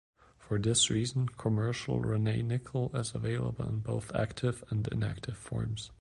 For this reason, commercial Raney nickel is available in both "active" and "inactive" forms.